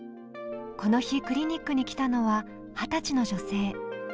この日、クリニックに来たのは二十歳の女性。